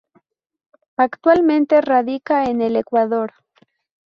Actualmente radica en el Ecuador.